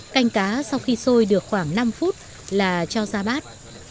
canh cá sau khi xôi được khoảng năm phút là cho ra bát